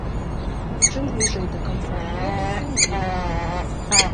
Чым бліжэй да канца свету, тым лепей.